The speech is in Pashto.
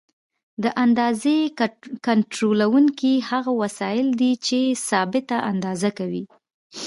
د اندازې کنټرولونکي هغه وسایل دي چې ثابته اندازه کوي.